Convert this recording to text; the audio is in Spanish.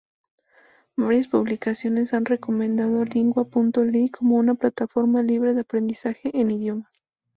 Varias publicaciones han recomendado Lingua.ly como una plataforma libre de aprendizaje de idiomas.